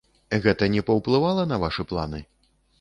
Гэта не паўплывала на вашы планы?